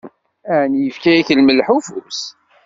Ɛni yefka-yak lmelḥ ufus?